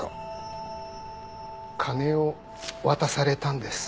金を渡されたんです。